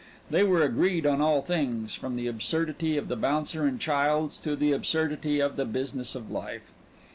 They were agreed on all things, from the absurdity of the bouncer in Childs' to the absurdity of the business of life.